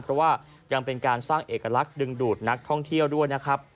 เพราะว่ายังเป็นการสร้างเอกลักษณ์ดึงดูดนักท่องเที่ยวด้วยนะครับ